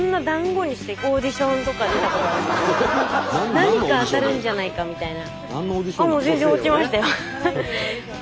何か当たるんじゃないかみたいな。